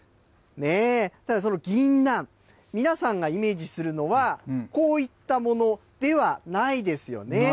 ただそのぎんなん、皆さんがイメージするのは、こういったものではないですよね。